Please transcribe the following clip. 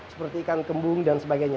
seperti ikan kembung dan sebagainya